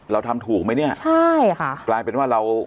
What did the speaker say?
เราทำถูกไหมเนี่ยใช่ค่ะกลายเป็นว่าเรา